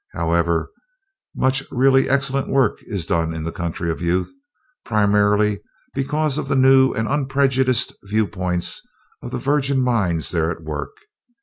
However, much really excellent work is done in the Country of Youth, primarily because of the new and unprejudiced viewpoints of the virgin minds there at work.